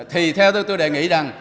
thì theo tôi đề nghị rằng